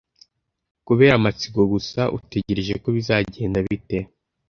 Kubera amatsiko gusa, utegereje ko bizagenda bite?